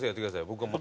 僕はもう。